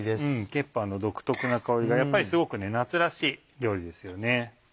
ケッパーの独特な香りがやっぱりすごく夏らしい料理ですよね。